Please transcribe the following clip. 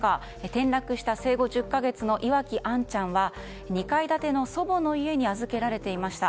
転落した生後１０か月の岩城杏ちゃんは２階建ての祖母の家に預けられていました。